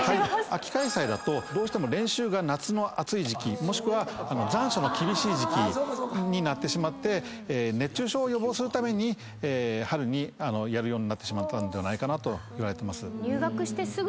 秋開催だとどうしても練習が夏の暑い時季もしくは残暑の厳しい時季になってしまって熱中症を予防するために春にやるようになってしまったのではないかなといわれてます。